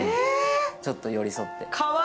ちょっと寄り添って。